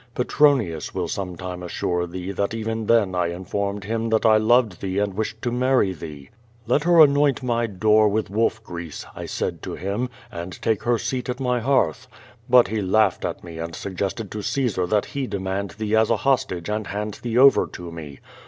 Petronius will sometime assure thee that even then I informed him that I loved thoc and wished to marry theo. ^^et her anoint my door with wolf grease,' I said to him, 'and take her seat at my hearth.' QUO VADIH, 263 But he laughed at me and suggested to Caesar that he demand thee as a hostage and liand thee over to me.